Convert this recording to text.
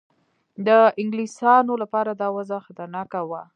د انګلیسیانو لپاره دا وضع خطرناکه وه.